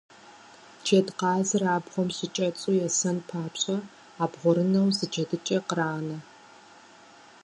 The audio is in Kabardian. Джэдкъазыр абгъуэм щыкӏэцӏу есэн папщӏэ, абгъуэрынэу зы джэдыкӏэ къранэ.